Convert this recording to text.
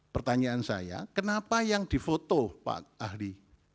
pertanyaan saya kenapa yang difoto pak ahli